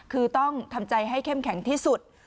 คือต้องทำใจให้เข้มแข็งที่สุด